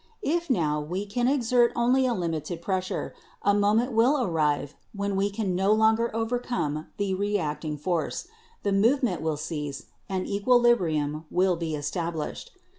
If, now, we can exert only a lim ited pressure, a moment will arrive when we can no longer overcome the reacting force; the movement will cease, and equilibrium will be established.